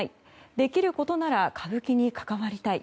できることなら歌舞伎に関わりたい。